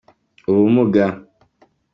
ubumuga.